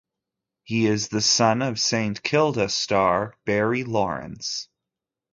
He is the son of Saint Kilda star Barry Lawrence.